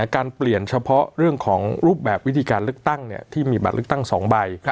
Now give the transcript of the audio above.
การเปลี่ยนเฉพาะเรื่องของรูปแบบวิธีการเลือกตั้งที่มีบัตรเลือกตั้ง๒ใบ